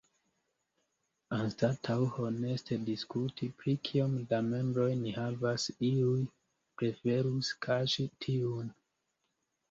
Anstataŭ honeste diskuti pri kiom da membroj ni havas, iuj preferus kaŝi tiun.